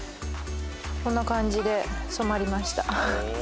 こんな感じで染まりました